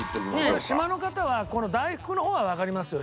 これ島の方は大福の方はわかりますよ